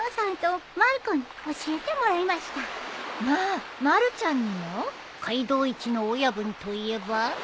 まあまるちゃんにも？街道一の親分と言えば？